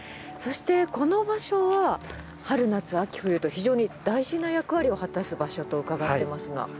そしてこの場所は春夏秋冬と非常に大事な役割を果たす場所とうかがってますが。